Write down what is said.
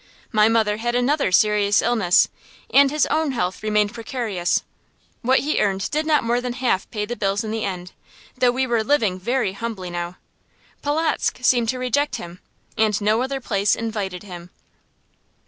My mother had another serious illness, and his own health remained precarious. What he earned did not more than half pay the bills in the end, though we were living very humbly now. Polotzk seemed to reject him, and no other place invited him.